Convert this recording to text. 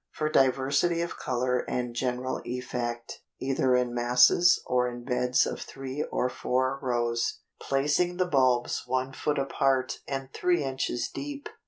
For diversity of color and general effect, either in masses, or in beds of three or four rows, placing the bulbs one foot apart and three inches deep.